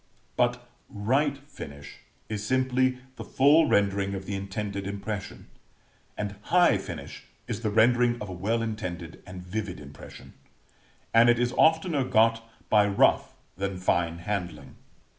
But right finish is simply the full rendering of the intended impression; and high finish is the rendering of a well intended and vivid impression; and it is oftener got by rough than fine handling.